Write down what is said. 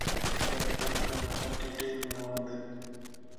دا کتاب په کندهار کې ډېر مینه وال لري.